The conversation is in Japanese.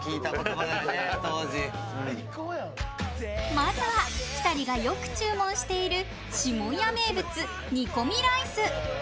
まずは、２人がよく注文している四文屋名物、煮込みライス。